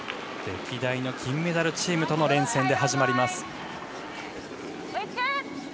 歴代の金メダルチームとの連戦で始まります。